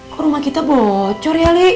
kok rumah kita bocor ya li